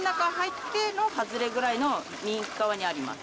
ってぇの外れぐらいの右側にあります